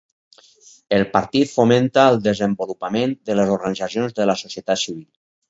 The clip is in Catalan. El partit fomenta el desenvolupament de les organitzacions de la societat civil.